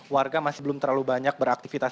warga masih belum terlalu banyak beraktivitas